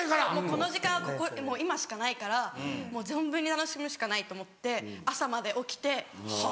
この時間は今しかないからもう存分に楽しむしかないと思って朝まで起きて。